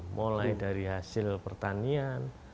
mulai dari hasil pertanian